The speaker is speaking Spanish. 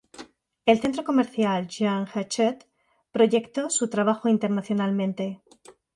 El centro comercial "Jeanne-Hachette" proyectó su trabajo internacionalmente.